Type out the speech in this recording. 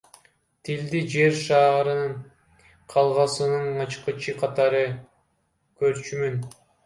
Тилди Жер шарынын каалгасынын ачкычы катары көрчүмүн.